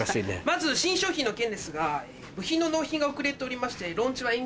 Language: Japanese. まず新商品の件ですが部品の納品が遅れておりまして。